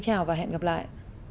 chào và hẹn gặp lại